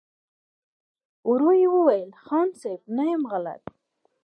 ورو يې وويل: خان صيب! نه يم غلط.